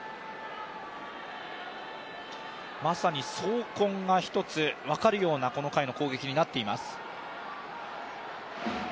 まさに「走魂」が一つ、分かるようなこの回の攻撃になっています。